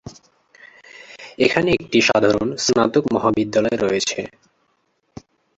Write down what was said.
এখানে একটি সাধারণ স্নাতক মহাবিদ্যালয় রয়েছে।